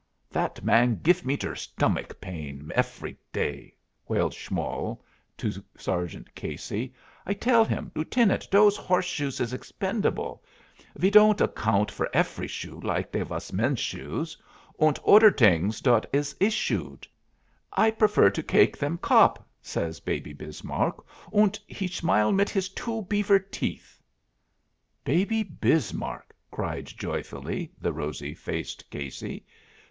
"That man gif me der stomach pain efry day," wailed Schmoll to Sergeant Casey. "I tell him, 'Lieutenant, dose horseshoes is expendable. We don't acgount for efry shoe like they was men's shoes, und oder dings dot is issued.' 'I prefer to cake them cop!' says Baby Bismarck. Und he smile mit his two beaver teeth." "Baby Bismarck!" cried, joyfully, the rosy faced Casey.